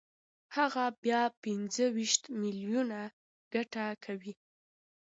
هغه بیا پنځه ویشت میلیونه ګټه کوي